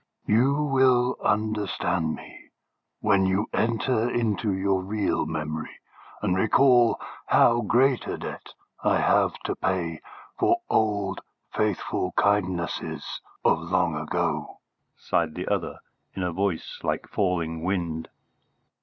"You will understand me when you enter into your real memory and recall how great a debt I have to pay for old faithful kindnesses of long ago," sighed the other in a voice like falling wind.